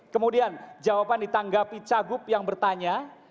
kemudian jawaban ditanggapi cagup yang bertanya